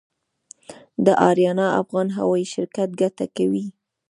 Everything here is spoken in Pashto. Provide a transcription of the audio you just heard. د اریانا افغان هوايي شرکت ګټه کوي؟